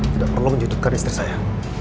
gak perlu menjutupkan istri saya